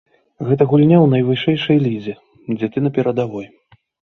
Гэта гульня ў найвышэйшай лізе, дзе ты на перадавой.